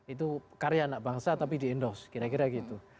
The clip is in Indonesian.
itu karya anak bangsa tapi diendos kira kira gitu